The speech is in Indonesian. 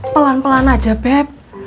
pelan pelan aja beb